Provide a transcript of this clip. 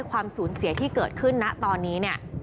ความสูญเสียที่เกิดขึ้นนะตอนนี้เนี่ย